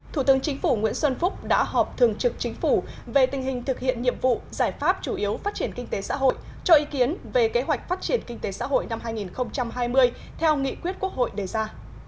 thủ tướng chính phủ nguyễn xuân phúc đã họp thường trực chính phủ về tình hình thực hiện nhiệm vụ giải pháp chủ yếu phát triển kinh tế xã hội cho ý kiến về kế hoạch phát triển kinh tế xã hội năm hai nghìn hai mươi theo nghị quyết quốc hội đề ra